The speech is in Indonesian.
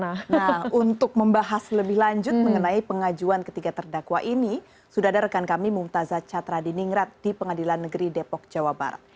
nah untuk membahas lebih lanjut mengenai pengajuan ketiga terdakwa ini sudah ada rekan kami mumtazah catra di ningrat di pengadilan negeri depok jawa barat